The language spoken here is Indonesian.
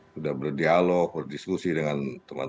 sudah berdialog berdiskusi dengan teman teman